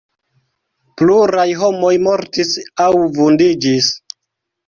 Pluraj homoj mortis aŭ vundiĝis.